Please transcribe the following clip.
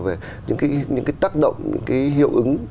về những cái tác động những cái hiệu ứng